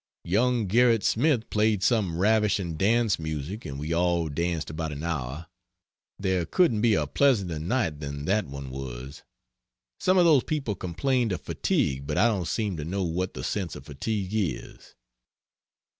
Young Gerrit Smith played some ravishing dance music and we all danced about an hour. There couldn't be a pleasanter night than that one was. Some of those people complained of fatigue but I don't seem to know what the sense of fatigue is.